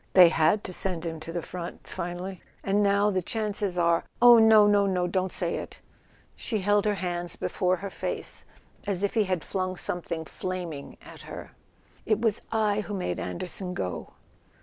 They had to send him to the front finally. And now the chances are " "Oh, no, no, no—don't say it!" She held her hands before her face as if he had flung something flaming at her. "It was I who made Anderson go!"